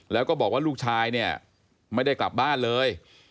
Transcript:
แล้วก็บอกว่าลูกชายเนี่ยไม่ได้กลับบ้านเลย